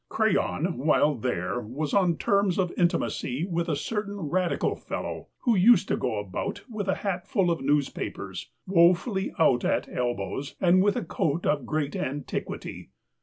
Crayon, while there, was on terms of intimacy with a certain radical fellow, who used to go about, with a hatful of newspapers, wofully out at elbows, and with a coat of great antiquity.